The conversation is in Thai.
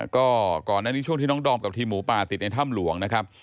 ก็ก่อนหน้านี้ช่วงที่น้องดอมกับทีมหมูป่าติดในถ้ำหลวงนะครับ